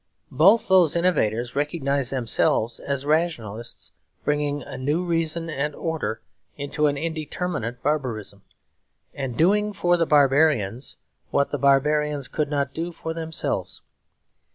Both those innovators recognised themselves as rationalists bringing a new reason and order into an indeterminate barbarism; and doing for the barbarians what the barbarians could not do for themselves.